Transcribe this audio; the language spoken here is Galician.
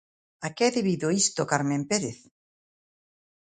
A que é debido isto, Carmen Pérez?